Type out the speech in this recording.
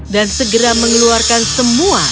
dan segera mengeluarkan semua